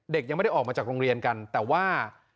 ยังไม่ได้ออกมาจากโรงเรียนกันแต่ว่า